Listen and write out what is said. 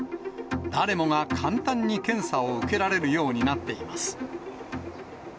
誰もが簡単に検査を受けられるようになっています。